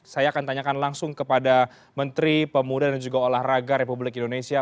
saya akan tanyakan langsung kepada menteri pemuda dan juga olahraga republik indonesia